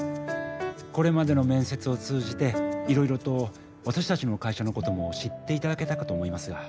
これまでの面接を通じていろいろと私たちの会社のことも知っていただけたかと思いますが。